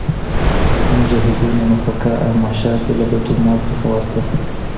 د مجاهدينو نفقه او معاشات دي له بیت المال څخه ورکړل سي.